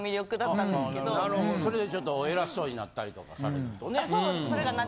それでちょっと偉そうになったりとかされるとね。